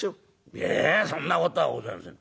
『いやそんなことはございません。